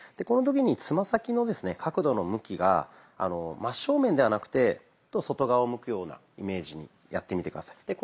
この時につま先の角度の向きが真っ正面ではなくて外側を向くようなイメージでやってみて下さい。